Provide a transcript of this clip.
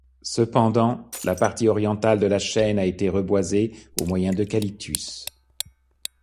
Cependant, la partie orientale de la chaîne a été reboisée au moyen d'eucalyptus.